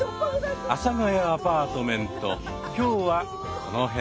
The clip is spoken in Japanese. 「阿佐ヶ谷アパートメント」今日はこの辺で。